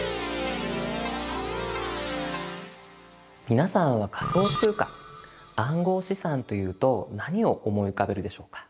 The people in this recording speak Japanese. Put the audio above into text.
皆さんは仮想通貨暗号資産というと何を思い浮かべるでしょうか。